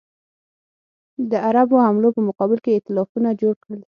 د عربو حملو په مقابل کې ایتلافونه جوړ کړل.